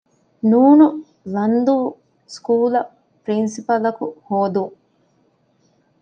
ނ. ލަންދޫ ސްކޫލަށް ޕްރިންސިޕަލަކު ހޯދުން